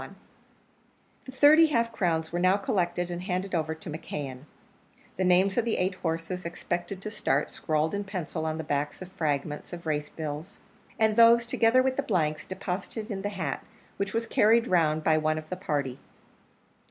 The thirty half crowns were now collected and handed over to McKeon; the names of the eight horses expected to start scrawled in pencil on the backs of fragments of race bills; and those, together with the blanks, deposited in the hat, which was carried round by one of the party.